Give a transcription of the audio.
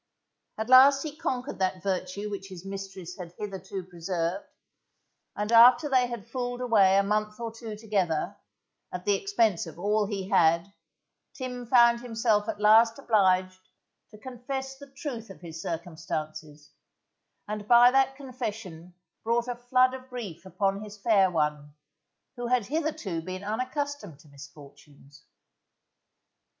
At last he conquered that virtue which his mistress had hitherto preserved, and after they had fooled away a month or two together, at the expense of all he had, Tim found himself at last obliged to confess the truth of his circumstances, and by that confession brought a flood of grief upon his fair one, who had hitherto been unaccustomed to misfortunes.